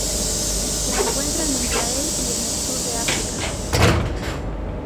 Se encuentra en Israel y en el sur de África.